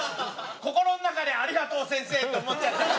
心の中で「ありがとう先生」って思っちゃった。